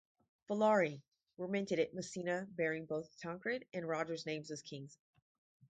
"Follari" were minted at Messina bearing both Tancred and Roger's names as kings.